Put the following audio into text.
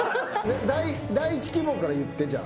第一希望から言ってじゃあ。